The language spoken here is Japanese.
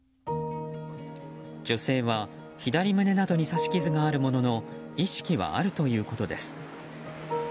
女性は左胸などに刺し傷があるものの意識はあるということです。